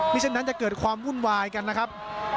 เช่นนั้นจะเกิดความวุ่นวายกันนะครับ